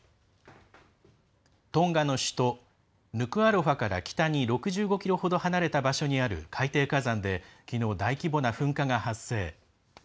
トンガの首都ヌクアロファから北に６５ｋｍほど離れた場所にある海底火山できのう、大規模な噴火が発生。